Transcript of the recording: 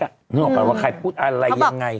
ไม่รู้ประมาณว่าใครพูดอะไรยังไง